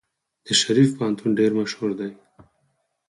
د شریف پوهنتون ډیر مشهور دی.